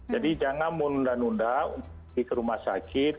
jadi jangan menunda nunda pergi ke rumah sakit